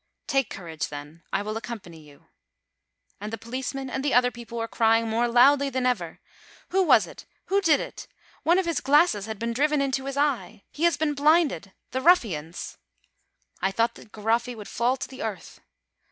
"Take courage, then; I will accompany you." And the policeman and the other people were crying more loudly than ever: "Who was it? Who did it? One of his glasses had been driven into his eye! He has been blinded! The ruffians!" I thought that Garoffi would fall to the earth.